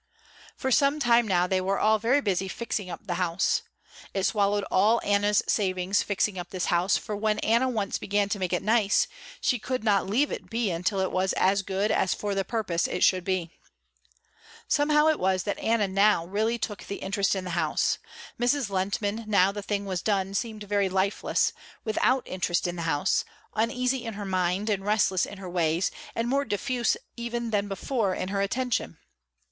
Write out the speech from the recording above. For some time now they were all very busy fixing up the house. It swallowed all Anna's savings fixing up this house, for when Anna once began to make it nice, she could not leave it be until it was as good as for the purpose it should be. Somehow it was Anna now that really took the interest in the house. Mrs. Lehntman, now the thing was done seemed very lifeless, without interest in the house, uneasy in her mind and restless in her ways, and more diffuse even than before in her attention.